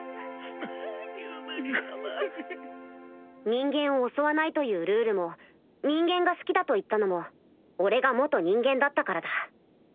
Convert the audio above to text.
人間を襲わないというルールも人間が好きだと言ったのも俺が人間だったからだ。